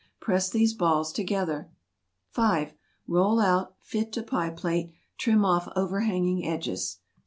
Press these balls together. 5. Roll out. Fit to pie plate. Trim off overhanging edges.